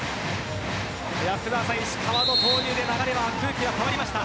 福澤さん、石川の投入で流れ、空気が変わりました。